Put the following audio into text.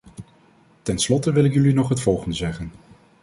Tenslotte wil ik jullie nog het volgende zeggen.